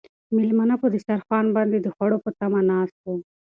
مېلمانه په دسترخوان باندې د خوړو په تمه ناست وو.